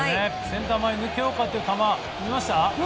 センター前抜けようかという球見ました？